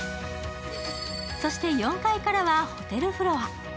そして４階からはホテルフロア。